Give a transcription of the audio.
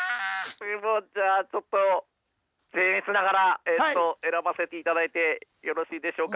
じゃあちょっとせん越ながら選ばせていただいてよろしいでしょうか。